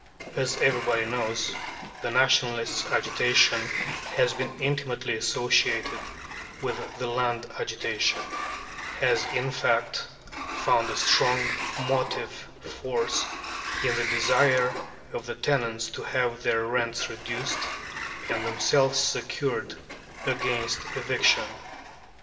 As everybody knows, the Nationalist agitation has been intimately associated with the Land agitation has, in fact, found a strong motive force in the desire of the tenants to have their rents reduced, and themselves secured against eviction.